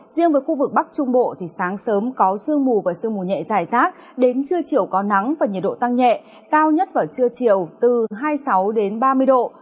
riêng với khu vực bắc trung bộ thì sáng sớm có sương mù và sương mù nhẹ dài rác đến trưa chiều có nắng và nhiệt độ tăng nhẹ cao nhất vào trưa chiều từ hai mươi sáu đến ba mươi độ